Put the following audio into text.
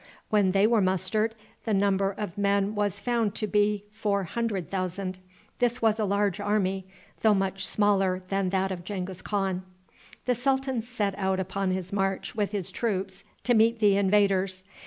When they were mustered, the number of men was found to be four hundred thousand. This was a large army, though much smaller than that of Genghis Khan. The sultan set out upon his march with his troops to meet the invaders.